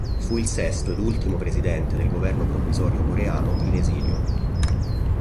Fu il sesto ed ultimo presidente del governo provvisorio coreano in esilio.